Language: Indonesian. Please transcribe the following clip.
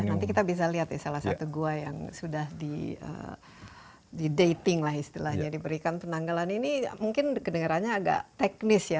nanti kita bisa lihat ya salah satu gua yang sudah di dating lah istilahnya diberikan penanggalan ini mungkin kedengarannya agak teknis ya